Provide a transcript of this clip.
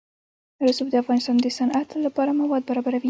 رسوب د افغانستان د صنعت لپاره مواد برابروي.